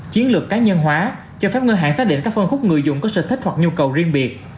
chiến lược cá nhân hóa cho phép ngân hàng xác định các phân khúc người dùng có sở thích hoặc nhu cầu riêng biệt